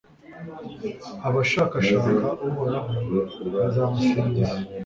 abashakashaka uhoraho bazamusingiza